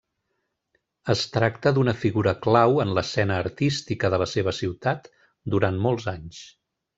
Es tracta d'una figura clau en l'escena artística de la seva ciutat durant molts anys.